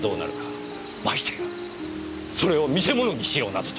ましてやそれを見せ物にしようなどと！